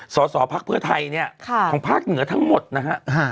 สตรกรภักร์เผ้อไทยของภาคเหนือทั้งหมดนะคะ